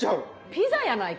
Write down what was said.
ピザやないか。